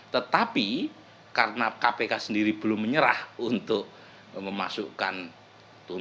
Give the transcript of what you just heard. tetapi karena kpk sendiri belum menyerah untuk memasukkan tuntutan